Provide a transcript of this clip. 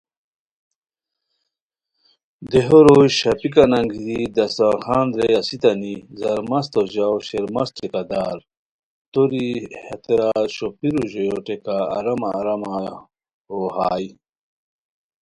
دیہو روئے ݰاپیکان انگیتی دسترخوان درے اسیتانی زرمستو ژاؤ (شیرمست ٹھیکہ دار) توری ہتیرا شوپھیرو ژویو ٹیکو آرامہ آرامہ یو ہائے